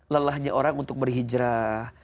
lelahnya orang untuk berhijrah